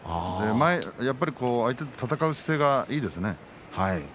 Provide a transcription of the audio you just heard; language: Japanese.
やっぱり相手と戦う姿勢がいいですね。